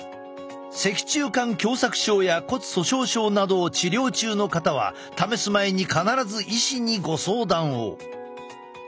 脊柱管狭さく症や骨粗しょう症などを治療中の方は試す前に必ず医師にご相談を。